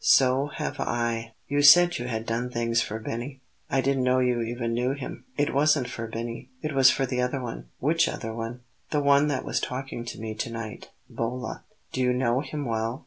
"So have I." "You said you had done things for Bini; I didn't know you even knew him." "It wasn't for Bini; it was for the other one." "Which other one?" "The one that was talking to me to night Bolla." "Do you know him well?"